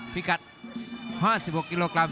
พิกัด๕๖กิโลกรัม